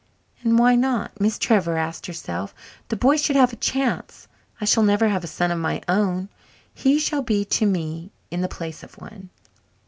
"And why not?" Miss Trevor asked herself. "The boy should have a chance. I shall never have a son of my own he shall be to me in the place of one."